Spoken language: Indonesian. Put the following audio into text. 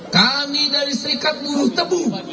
kami dari serikat buruh tebu